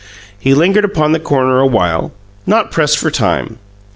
He lingered upon the corner awhile, not pressed for time.